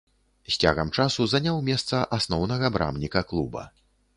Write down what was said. З цягам часу заняў месца асноўнага брамніка клуба.